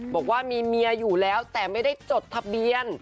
บอกว่ามีเมียอยู่แล้วแต่ไม่ได้จดทะเบียน